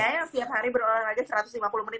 siap hari berolahraga satu ratus lima puluh menit